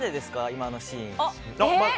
今のシーン。